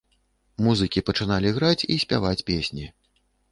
Музыкі пачыналі граць і спяваць песні.